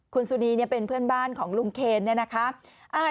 คุณสุนีเป็นเพื่อนบ้านของลุงเคนเนี่ยนะคะ